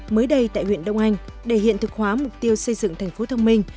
mới đây tại huyện đông anh để hiện thực hóa mục tiêu xây dựng thành phố thông minh